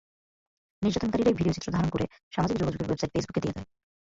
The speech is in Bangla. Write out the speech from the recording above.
নির্যাতনকারীরাই ভিডিও চিত্র ধারণ করে সামাজিক যোগাযোগের ওয়েবসাইট ফেসবুকে দিয়ে দেয়।